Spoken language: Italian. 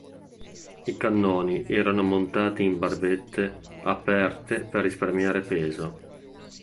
I cannoni erano montati in barbette aperte per risparmiare peso.